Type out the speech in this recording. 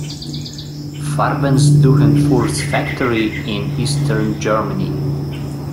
Farben's Dyhernfurth factory in eastern Germany.